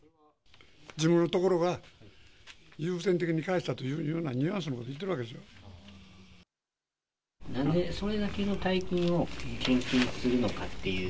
自分のところが優先的に返したというようなニュアンスのこと言っなぜ、それだけの大金を献金するのかっていう。